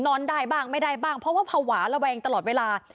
นอนได้บ้างไม่ได้บ้างเพราะว่าภาวะระแวงตลอดเวลา